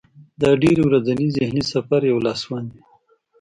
دا ډایري د ورځني ذهني سفر یو لاسوند وي.